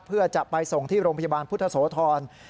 เพื่อจะไปส่งที่โรงพยาบาลพุทธโสธร